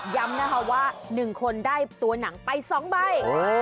ย้ำนะคะว่า๑คนได้ตัวหนังไป๒ใบ